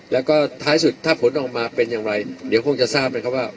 แล้วก็ท้ายสุดถ้าผลออกมาเป็นอย่างไรเดี๋ยวคงจะทราบไหมครับว่า